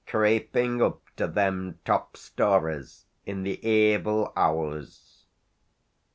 "craping up to thim top storeys in the ayvil hours."